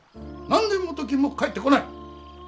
何で元金も返ってこない。